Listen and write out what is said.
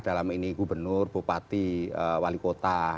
dalam ini gubernur bupati wali kota